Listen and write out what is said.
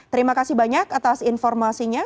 terima kasih banyak atas informasinya